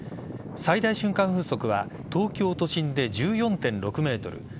最大瞬間風速は東京都心で１４．６メートル